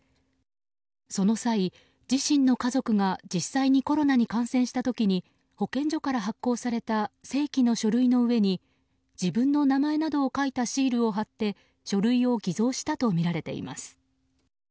その際、自身の家族が実際にコロナに感染した時に保健所から発行された正規の書類の上に自分の名前などを書いたシールを貼って書類を偽造したとみられています。